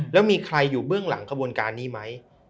แล้วมีใครอยู่เบื้องหลังขบวนการนี้ไหม